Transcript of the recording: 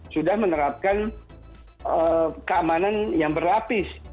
sudah menerapkan keamanan yang berlapis